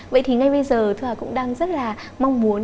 vậy thì ngay bây giờ thu hà cũng đang rất là mong muốn